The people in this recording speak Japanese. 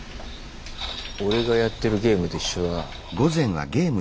俺がやってるゲームと一緒だな。